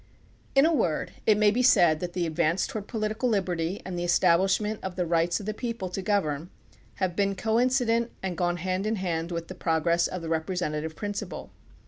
In a word, it may be said that the advance toward political liberty and the establishment of the rights of the people to govern have been coincident and gone hand in hand with the progress of the representative principle.